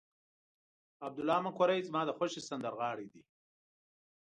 عبدالله مقری زما د خوښې سندرغاړی دی.